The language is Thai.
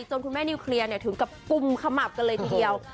คุณแม่นิวเคลียร์ถึงกับกุมขมับกันเลยทีเดียว